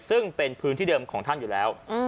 ซึ่งเป็นพื้นที่เดิมของท่านอยู่แล้ว